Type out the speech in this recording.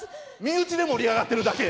身内で盛り上がってるだけ！